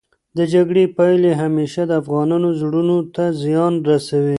د جګړې پايلې همېشه د افغانانو زړونو ته زیان رسوي.